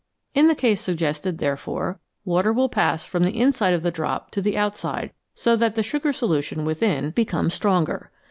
In the case suggested, therefore, water will pass from the inside of the drop to the outside, so that the sugar solution within becomes 606 FACTS ABOUT SOLUTIONS stronger.